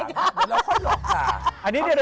เดี๋ยวเราค่อยหลบค่ะ